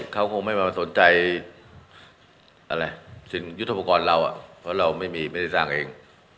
เขาคงไม่มาสนใจอะไรสินยุทธปกรณ์เราเพราะเราไม่มีไม่ได้สร้างเอง